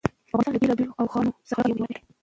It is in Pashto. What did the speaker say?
افغانستان له بېلابېلو اوښانو څخه ډک یو هېواد دی.